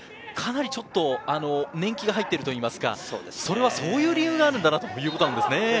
かなり年季が入っているといいますか、そういう理由があるんだなということですね。